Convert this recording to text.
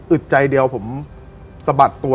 ใจเดียวผมสะบัดตัว